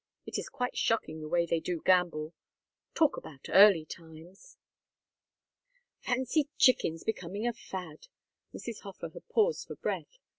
It is quite shocking the way they do gamble. Talk about early times!" "Fancy chickens becoming a fad!" Mrs. Hofer had paused for breath.